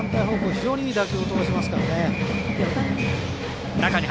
非常にいい打球を見せますからね。